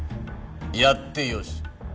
やってよし。